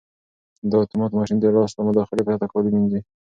دا اتومات ماشین د لاس له مداخلې پرته کالي مینځي.